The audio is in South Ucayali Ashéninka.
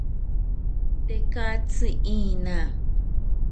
Tekatzi iina